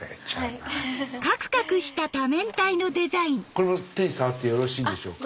これも触ってよろしいでしょうか。